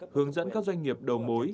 hướng dẫn các doanh nghiệp đồ mối